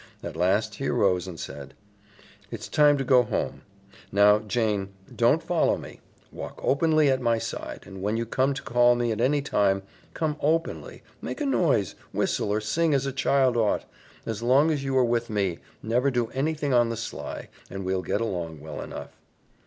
At last he arose and said, "It's time to go home. Now, Jane, don't follow me; walk openly at my side, and when you come to call me at any time, come openly, make a noise, whistle or sing as a child ought. As long as you are with me, never do anything on the sly, and we'll get along well enough."